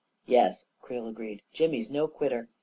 " Yes," Creel agreed, " Jimmy's no quitter.